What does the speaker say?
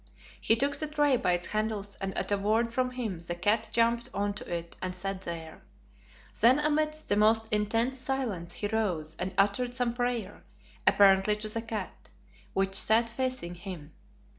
He took the tray by its handles and at a word from him the cat jumped on to it and sat there. Then amidst the most intense silence he rose and uttered some prayer, apparently to the cat, which sat facing him.